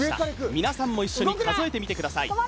皆さんも一緒に数えてみてください